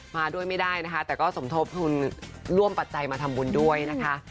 มาด้วยไม่ได้นะคะแต่ก็สมทบทุนร่วมปัจจัยมาทำบุญด้วยนะคะ